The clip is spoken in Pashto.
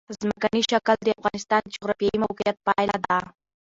ځمکنی شکل د افغانستان د جغرافیایي موقیعت پایله ده.